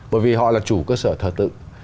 bởi vì họ là chủ cơ sở thờ tự